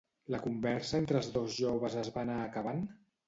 La conversa entre els dos joves es va anar acabant?